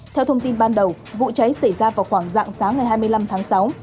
theo thông tin ban đầu vụ cháy xảy ra vào khoảng dạng sáng ngày hai mươi năm tháng sáu